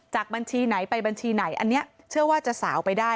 บัญชีไหนไปบัญชีไหนอันนี้เชื่อว่าจะสาวไปได้